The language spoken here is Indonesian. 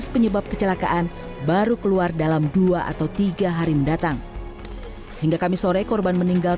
penumpang baru keluar dalam dua atau tiga hari mendatang hingga kamis sore korban meninggal